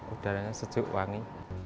udaranya sejuk wangi